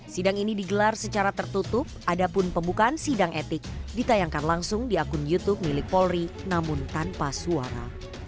sidang ini digelar secara tertutup adapun pembukaan sidang etik ditayangkan langsung di akun youtube milik polri namun tanpa suara